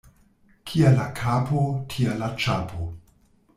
Kia la kapo, tia la ĉapo.